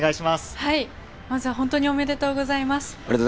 まずは本当におめでとうございます。